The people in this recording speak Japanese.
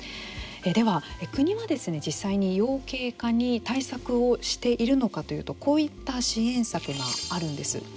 では、国は実際に養鶏家に対策をしているのかというとこういった支援策があるんです。